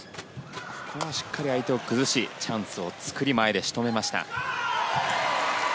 ここはしっかり相手を崩しチャンスを作り前で仕留めました。